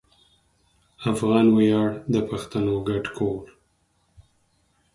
افغان ویاړ د پښتنو ګډ کور